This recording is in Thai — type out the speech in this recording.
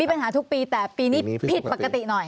ปัญหาทุกปีแต่ปีนี้ผิดปกติหน่อย